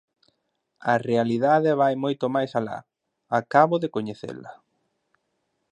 A realidade vai moito máis alá, acabo de coñecela.